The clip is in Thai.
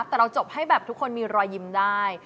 แต่เราจบให้แบบทุกคนมีรอยยิ้มได้